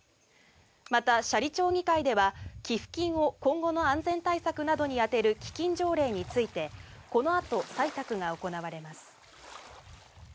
また、斜里町議会では寄付金を今後の安全対策などに充てる基金条例についてこのあと採択が行われます。